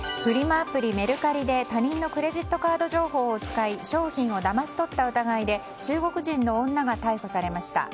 アプリ、メルカリで他人のクレジットカード情報を使い商品をだまし取った疑いで中国人の女が逮捕されました。